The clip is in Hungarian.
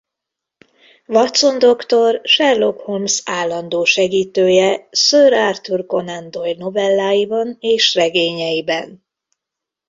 Watson doktor Sherlock Holmes állandó segítője Sir Arthur Conan Doyle novelláiban és regényeiben.